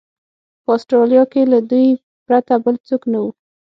په اسټرالیا کې له دوی پرته بل څوک نه و.